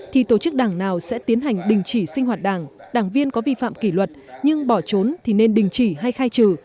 thì tổ chức đảng nào sẽ tiến hành đình chỉ sinh hoạt đảng đảng viên có vi phạm kỷ luật nhưng bỏ trốn thì nên đình chỉ hay khai trừ